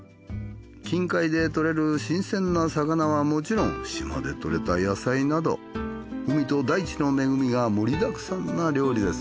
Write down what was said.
近海で獲れる新鮮な魚はもちろん島で採れた野菜など海と大地の恵みがもりだくさんな料理です。